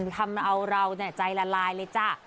ทำเอาเราใจละลายเลยจ้ะ